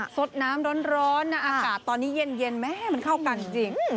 สดน้ำร้อนนะอากาศตอนนี้เย็นแม่มันเข้ากันจริง